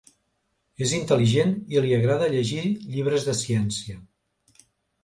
És intel·ligent i li agrada llegir llibres de ciència.